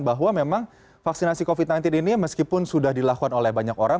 bahwa memang vaksinasi covid sembilan belas ini meskipun sudah dilakukan oleh banyak orang